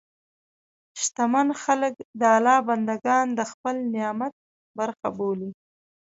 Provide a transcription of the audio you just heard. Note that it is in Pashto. شتمن خلک د الله بندهګان د خپل نعمت برخه بولي.